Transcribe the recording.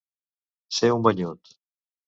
Ser un banyut.